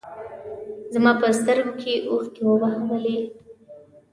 زما په سترګو کې اوښکې وبهولې.